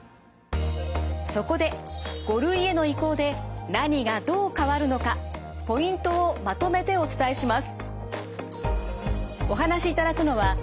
そこで５類への移行で何がどう変わるのかポイントをまとめてお伝えします。